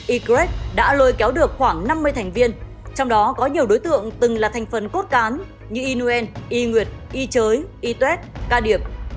ygrec đã lôi kéo được khoảng năm mươi thành viên trong đó có nhiều đối tượng từng là thành phần cốt cán như ynuen ynuet ychoi ytuet cadiep